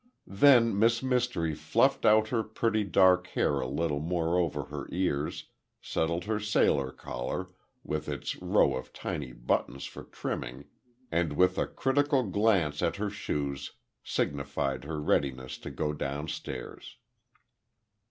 Then Miss Mystery fluffed out her pretty dark hair a little more over her ears, settled her sailor collar, with its row of tiny buttons for trimming, and with a critical glance at her shoes, signified her readiness to go down stairs.